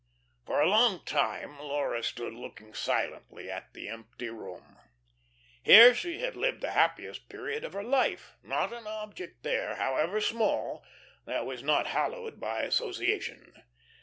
For a long time Laura stood looking silently at the empty room. Here she had lived the happiest period of her life; not an object there, however small, that was not hallowed by association.